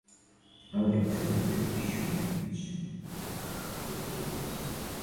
তবে দেখতে হবে যে টিস্যু ম্যাচ করে কি না।